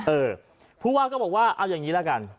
เออผู้ว่าก็บอกว่าเอาอย่างนี้ละกัน